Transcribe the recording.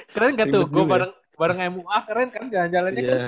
keren gak tuh gue bareng mua keren kan jalan jalannya